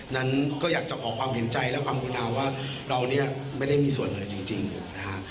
นั้นก็อยากจะขอความเห็นใจและความคุณอาว่าเราเนี่ยไม่ได้มีส่วนเลยจริงนะฮะ